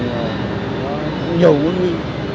nóng nhiều mối nguy